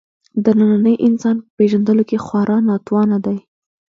د ننني انسان په پېژندلو کې خورا ناتوانه دی.